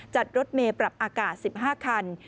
จัดรถเมล์ปรับอากาศ๑๕ครรภ์